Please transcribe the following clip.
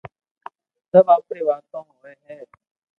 سب آپري واتو ھوڻي ھي